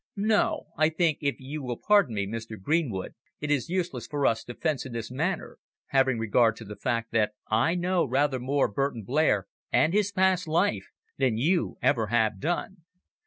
No. I think if you will pardon me, Mr. Greenwood, it is useless for us to fence in this manner, having regard to the fact that I know rather more of Burton Blair and his past life than you ever have done."